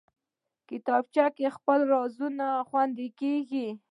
کتابچه کې خپل رازونه خوندي کېږي